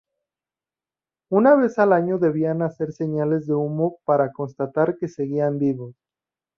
Una vez al año debían hacer señales de humo para constatar que seguían vivos.